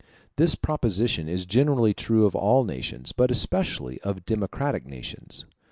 This proposition is generally true of all nations, but especially of democratic nations.